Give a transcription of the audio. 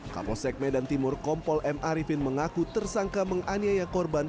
kapolsek medan timur kompol m arifin mengaku tersangka menganiaya korban